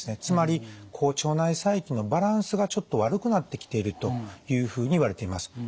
つまり腸内細菌のバランスがちょっと悪くなってきているというふうにいわれています。